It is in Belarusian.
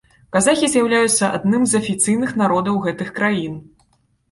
Казахі з'яўляюцца адным з афіцыйных народаў гэтых краін.